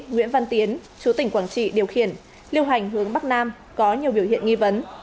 nguyễn văn tiến chú tỉnh quảng trị điều khiển lưu hành hướng bắc nam có nhiều biểu hiện nghi vấn